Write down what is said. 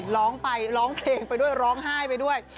ร้องไปร้องเพลงไปด้วยร้องไห้ไปด้วย